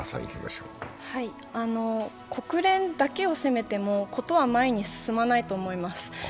国連だけを責めても事は前に進まないと思います。